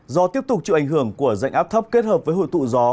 do tiếp tục chịu ảnh hưởng của dạnh áp thấp kết hợp với hội tụ gió